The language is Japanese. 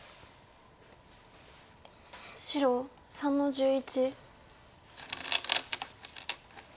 白３の十一。